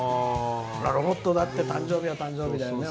ロボットだって誕生日は誕生日だよね。